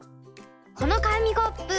このかみコップ。